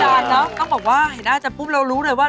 เห็นหน้าอาจารย์เนอะต้องบอกว่าเห็นหน้าอาจารย์ปุ้มแล้วรู้เลยว่า